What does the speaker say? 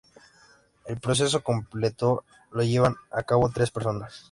El proceso completo lo llevan a cabo tres personas.